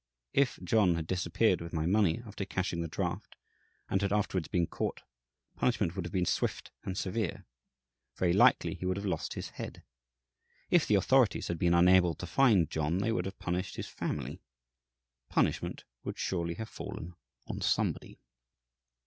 If John had disappeared with my money after cashing the draft, and had afterwards been caught, punishment would have been swift and severe. Very likely he would have lost his head. If the authorities had been unable to find John, they would have punished his family. Punishment would surely have fallen on somebody.